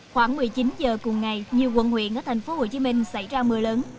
khoảng một mươi chín giờ cùng ngày nhiều quận huyện ở tp hcm xảy ra mưa lớn